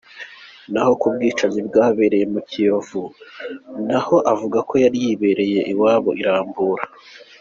Naho ku bwicanyi bwabereye mu Kiyovu, naho avuga ko yari yibereye iwabo i Rambura.